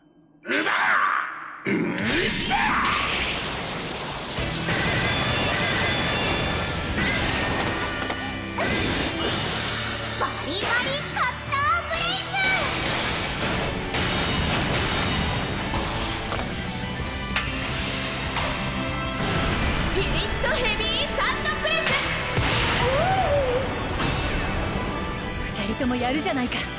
ウバァ２人ともやるじゃないか！